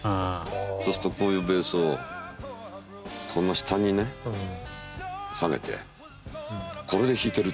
そうするとこういうベースをこんな下にね提げてこれで弾いてる写真があるわけ。